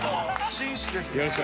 紳士ですね。